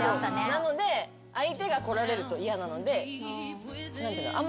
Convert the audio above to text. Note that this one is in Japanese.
なので相手が来られると嫌なので。